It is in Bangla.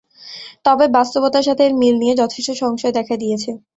তবে বাস্তবতার সাথে এর মিল নিয়ে যথেষ্ট সংশয় দেখা দিয়েছে।